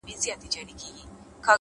هره ورځ د ښه کېدو بلنه ده’